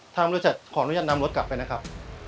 ถามบริษัทขออนุญาตนำรถกลับไปนะครับ